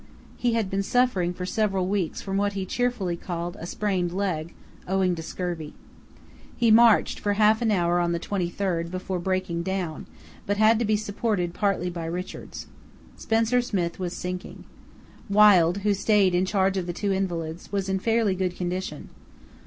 He had been suffering for several weeks from what he cheerfully called "a sprained leg," owing to scurvy. He marched for half an hour on the 23rd before breaking down, but had to be supported partly by Richards. Spencer Smith was sinking. Wild, who stayed in charge of the two invalids, was in fairly good condition.